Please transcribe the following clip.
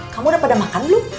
kamu udah pada makan belum